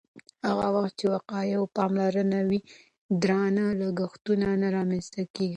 هغه وخت چې وقایوي پاملرنه وي، درانه لګښتونه نه رامنځته کېږي.